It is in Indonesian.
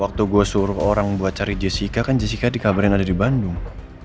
waktu gue suruh orang buat cari jessica kan jessica dikabarin ada di bandung